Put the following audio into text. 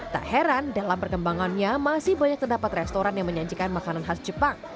tak heran dalam perkembangannya masih banyak terdapat restoran yang menyajikan makanan khas jepang